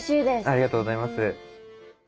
ありがとうございます。